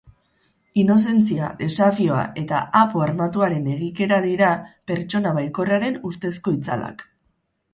Inozentzia, desafioa eta apo-armatuaren egikera, dira, pertsona baikorraren ustezko itzalak.